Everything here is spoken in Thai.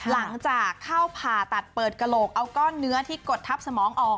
หลังจากเข้าผ่าตัดเปิดกระโหลกเอาก้อนเนื้อที่กดทับสมองออก